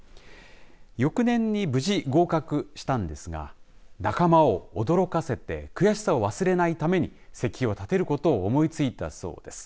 翌年に無事合格したんですが仲間を驚かせて悔しさを忘れないために石碑を建てることを思いついたそうです。